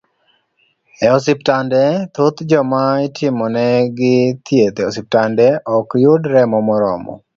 E osiptande, thoth joma itimonegi thieth e osiptande, ok yud remo moromo